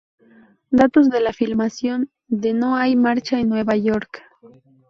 Datos de la filmación de "No hay marcha en Nueva York".